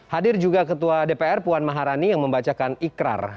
hadir juga ketua dpr puan maharani yang membacakan ikrar